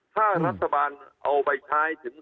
ถ้ารัฐบาลเอาไปใช้ถึง